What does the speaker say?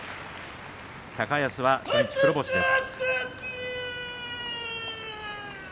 高安は初日黒星です。